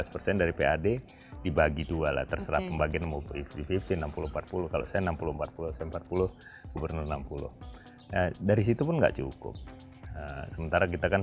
pilih di enam puluh empat puluh kalau saya enam puluh empat puluh satu ratus empat puluh gubernur enam puluh dari situ pun enggak cukup sementara kita kan